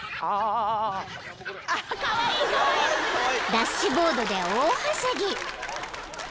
［ダッシュボードで大はしゃぎ］